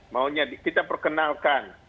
maunya kita perkenalkan